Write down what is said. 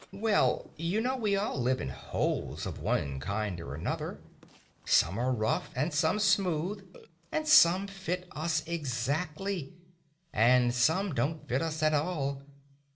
"Well, you know, we all live in holes of one kind or another. Some are rough and some smooth, some fit us exactly, and some don't fit us at all.